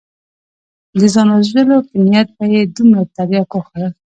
د ځان وژلو په نيت به يې دومره ترياک وخوړل.